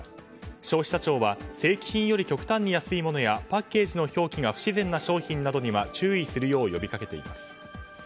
消費者庁は正規品より極端に安いものやパッケージの表記が不自然な商品などには注意するよう呼びかけています。